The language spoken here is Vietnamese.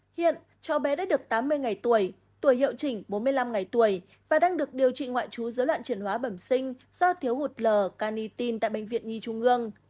hiện cháu bé đã được tám mươi ngày tuổi tuổi hiệu chỉnh bốn mươi năm ngày tuổi và đang được điều trị ngoại trú dối loạn chuyển hóa bẩm sinh do thiếu hụt l can tại bệnh viện nhi trung ương